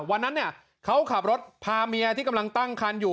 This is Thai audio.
วันนั้นเขาขับรถพาเมียที่กำลังตั้งคันอยู่